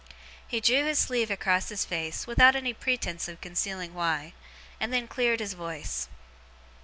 He drew his sleeve across his face, without any pretence of concealing why; and then cleared his voice.